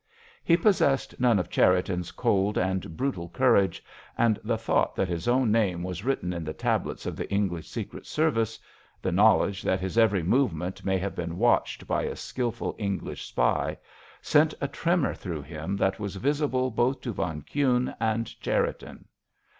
He possessed none of Cherriton's cold and brutal courage. And the thought that his own name was written in the tablets of the English secret service, the knowledge that his every movement may have been watched by a skilful English spy, sent a tremor through him that was visible both to von Kuhne and Cherriton.